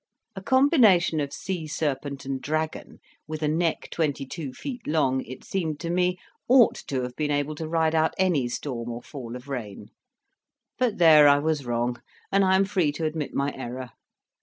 A combination of sea serpent and dragon, with a neck twenty two feet long, it seemed to me, ought to have been able to ride out any storm or fall of rain; but there I was wrong, and I am free to admit my error.